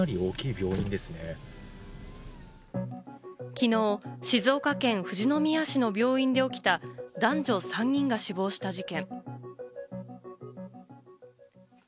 きのう、静岡県富士宮市の病院で起きた男女３人が死亡した事件。